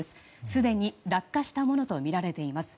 すでに落下したものとみられています。